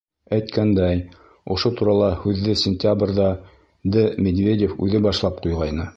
Әйткәндәй, ошо турала һүҙҙе сентябрҙә Д. Медведев үҙе башлап ҡуйғайны.